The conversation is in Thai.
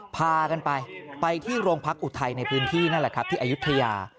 พากันไปไปที่โรงพักอุทัยในพื้นที่นั่นแหละครับที่อายุทยา